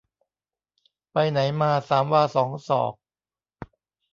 ไปไหนมาสามวาสองศอก